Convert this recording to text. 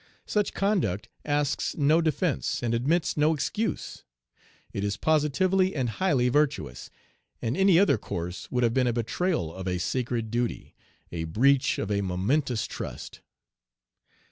Such conduct asks no defence, and admits no excuse. It is positively and highly virtuous, and any other course would have been a betrayal of a sacred duty, a breach of a momentous trust.